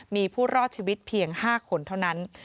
มีผู้รอดชีวิตเพียง๕คนเท่านั้น